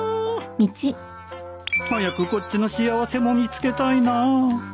早くこっちの幸せも見つけたいな